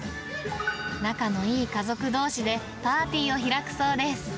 仲のいい家族どうしでパーティーを開くそうです。